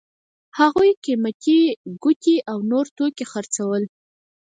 هغوی قیمتي ګوتې او نور توکي خرڅول.